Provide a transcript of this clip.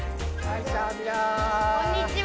こんにちは。